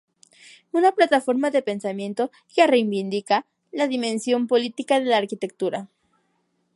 Una plataforma de pensamiento que reivindica la dimensión política de la arquitectura.